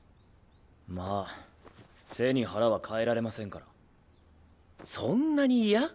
まあ背に腹は代えられませんからそんなに嫌？